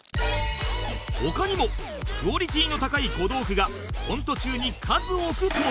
他にもクオリティーの高い小道具がコント中に数多く登場